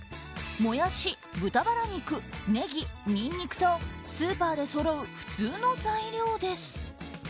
モヤシ、豚バラ肉ネギ、ニンニクとスーパーでそろう普通の材料です。